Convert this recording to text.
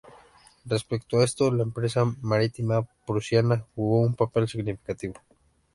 Respecto a esto, la Empresa Marítima Prusiana jugó un papel significativo.